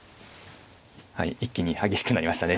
はい一気に激しくなりましたね。